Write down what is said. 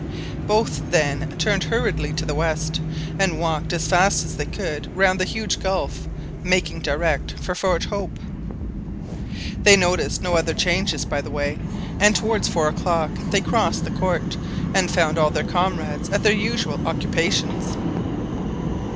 Both then turned hurriedly to the west, and walked as fast as they could round the huge gulf, making direct for Fort Hope. They noticed no other changes by the way, and towards four o'clock they crossed the court and found all their comrades at their usual occupations.